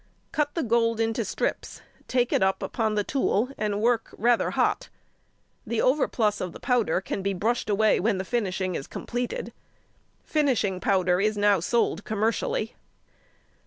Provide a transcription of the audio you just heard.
Cut the gold into strips, take it up upon the tool, and work rather hot. The overplus of the powder can be brushed away when the finishing is completed. Finishing powder is now sold commercially.